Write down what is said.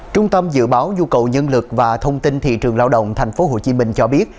trung tâm dự báo nhu cầu nhân lực và thông tin thị trường lao động tp hcm cho biết